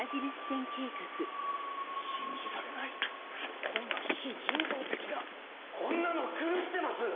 信じられないこんな非人道的なこんなの狂ってます！